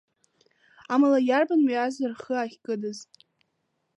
Амала иарбан мҩаз рхы ахькыдыз?